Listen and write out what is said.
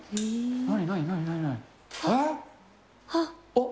あっ。